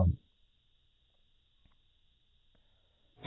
CHAP.